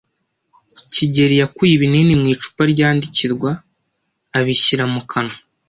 kigeli yakuye ibinini mu icupa ryandikirwa abishyira mu kanwa.